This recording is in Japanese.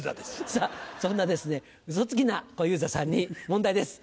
さぁそんなですねウソつきな小遊三さんに問題です。